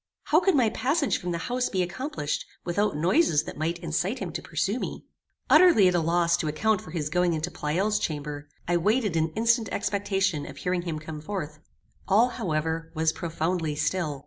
How could my passage from the house be accomplished without noises that might incite him to pursue me? Utterly at a loss to account for his going into Pleyel's chamber, I waited in instant expectation of hearing him come forth. All, however, was profoundly still.